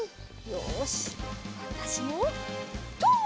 よしわたしもとうっ！